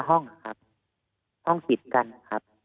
ห้องครับห้องติดกันนะครับ